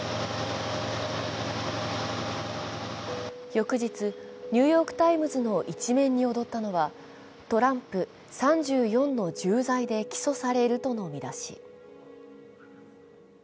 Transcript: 翌日、「ニューヨーク・タイムズ」の１面に躍ったのは「トランプ『３４の重罪』で起訴される」との見出し。